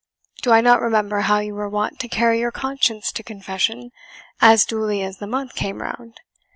Do I not remember how you were wont to carry your conscience to confession, as duly as the month came round?